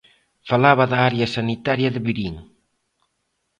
Falaba da área sanitaria de Verín.